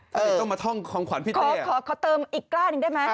ถ้าต้องมาท่องคำขวัญพี่เต้ขอเติมอีกกล้านึงได้ไหม